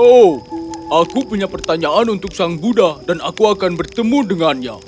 oh aku punya pertanyaan untuk sang buddha dan aku akan bertemu dengannya